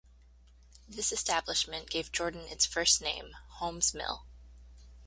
This establishment gave Jordan its first name, Holmes Mill.